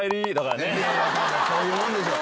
そういうもんでしょう。